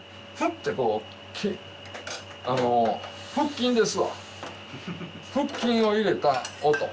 ッてこうあの腹筋ですわ腹筋を入れた音